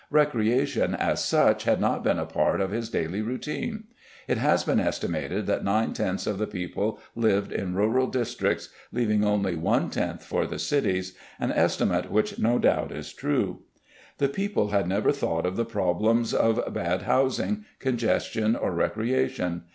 Recreation as such had not been a part of his daily routine. It has been estimated that nine tenths of the people lived in rural districts leaving only one tenth for the cities, an estimate which no doubt is true. The people had never thought of the problems of bad housing, congestion, or recreation.